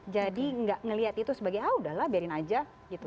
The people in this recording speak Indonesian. jadi nggak melihat itu sebagai ah udahlah biarin aja gitu